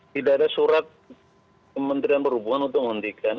tidak ada surat kementerian perhubungan untuk menghentikan